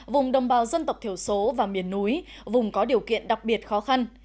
vùng đồng bào dân tộc thiểu số và miền núi vùng có điều kiện đặc biệt khó khăn